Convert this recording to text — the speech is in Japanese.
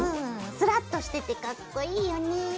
スラッとしててかっこいいよね。